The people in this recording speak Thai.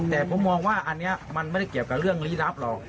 แต่ผมมองว่าอันนี้มันไม่ได้เกี่ยวกับเรื่องลี้ลับหรอก